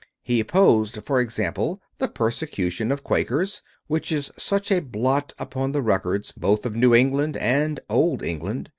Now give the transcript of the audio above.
He opposed, for example, the persecution of the Quakers, which is such a blot upon the records both of New England and old England.